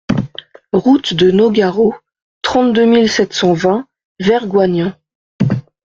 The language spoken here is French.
Route de Nogaro, trente-deux mille sept cent vingt Vergoignan